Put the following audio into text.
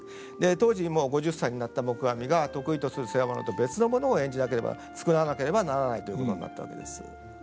当時５０歳になった黙阿弥が得意とする世話物と別の物を演じなければ作らなければならないということになったわけです。